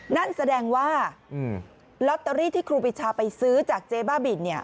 นั่นแสดงว่าลอตเตอรี่ที่ครูปีชาไปซื้อจากเจ๊บ้าบิน